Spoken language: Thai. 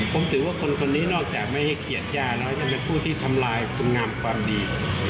ผมถือว่าคนคนนี้นอกจากไม่ให้เกียรติย่าแล้วยังเป็นผู้ที่ทำลายคุณงามความดี